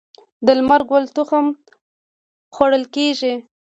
د لمر ګل تخم خوړل کیږي.